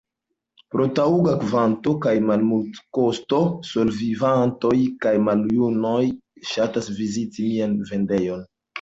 Pro taŭga kvanto kaj malmultekosto solevivantoj kaj maljunuloj ŝatas viziti mian vendejon.